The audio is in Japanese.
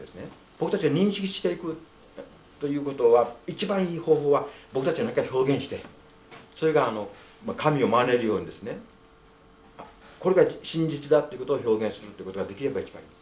僕たちは認識していくということは一番いい方法は僕たちが表現してそれがあの神をまねるようにですねあっこれが真実だということを表現するってことができれば一番いい。